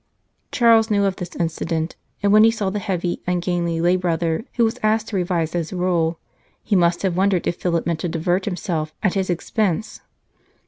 Charles knew of this incident, and when he saw the heavy, ungainly lay brother who was asked to revise his Rule, he must have wondered if Philip meant to divert himself at his expense.